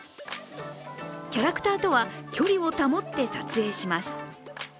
キャラクターとは、距離を保って撮影します。